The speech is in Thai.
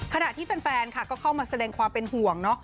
ขณะที่แฟนค่ะก็เข้ามาแสดงความเป็นห่วง